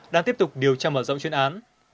đang tiếp tục điều tra mở rộng chuyên án